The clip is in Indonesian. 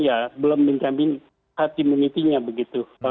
ya belum menjamin herd immunity nya begitu